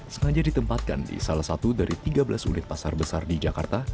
sengaja ditempatkan di salah satu dari tiga belas unit pasar besar di jakarta